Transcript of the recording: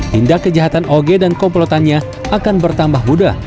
tindak kejahatan oge dan komplotannya akan bertambah mudah